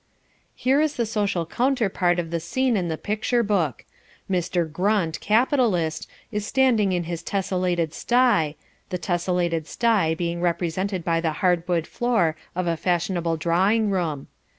Here is the social counterpart of the scene in the picture book. Mr. Grunt, capitalist, is standing in his tessellated sty, the tessellated sty being represented by the hardwood floor of a fashionable drawing room.